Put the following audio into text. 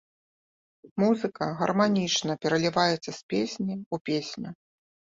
Музыка гарманічна пераліваецца з песні ў песню.